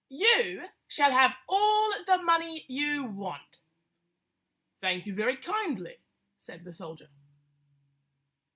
You shall have all the money you want." "Thank you very kindly," said the soldier.